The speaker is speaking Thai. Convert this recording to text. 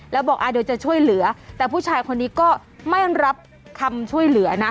แล้วบอกเดี๋ยวจะช่วยเหลือแต่ผู้ชายคนนี้ก็ไม่รับคำช่วยเหลือนะ